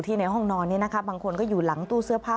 ในห้องนอนนี้นะคะบางคนก็อยู่หลังตู้เสื้อผ้า